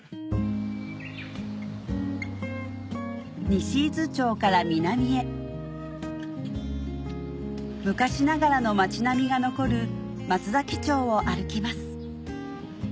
西伊豆町から南へ昔ながらの町並みが残る松崎町を歩きます